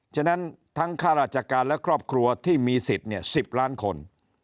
ฉะนั้นทั้งค่าราชการและครอบครัวที่มีสิทธิ์๑๐ล้านคน